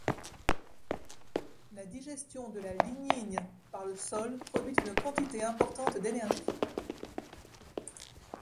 La digestion de la lignine par le sol produit une quantité importante d'énergie.